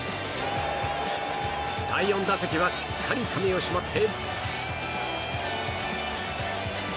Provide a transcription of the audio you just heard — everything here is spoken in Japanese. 第４打席はしっかり髪をしまって。